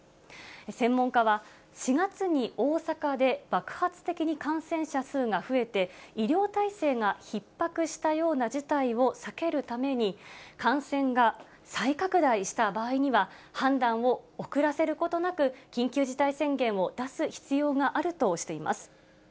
専門家は、４月に大阪で爆発的に感染者数が増えて、医療体制がひっ迫したような事態を避けるために、感染が再拡大した場合には、判断を遅らせることなく、緊急事態宣言を出す必要があるとしています。